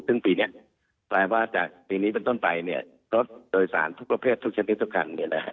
ซึ่งปีนี้แปลว่าจากปีนี้เป็นต้นไปเนี่ยรถโดยสารทุกประเภททุกชนิดทุกคันเนี่ยนะฮะ